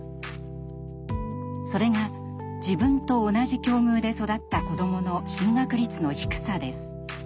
それが自分と同じ境遇で育った子どもの進学率の低さです。